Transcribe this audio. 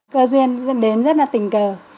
cơ duyên đến rất là tình cờ